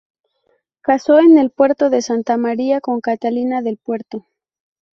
Casó en el Puerto de Santa María con Catalina del Puerto.